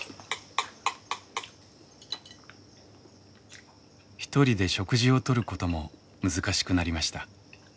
一人で食事をとることも難しくなりました。